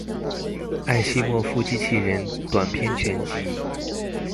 艾西莫夫機器人短篇全集